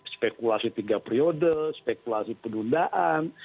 spekulasi tiga periode spekulasi penundaan